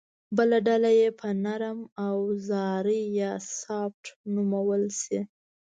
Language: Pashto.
بله ډله یې به نرم اوزاري یا سافټ نومول شي